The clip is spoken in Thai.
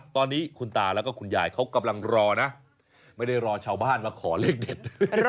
ตอนนี้คุณตาแล้วก็คุณยายเขากำลังรอนะไม่ได้รอชาวบ้านมาขอเลขเด็ด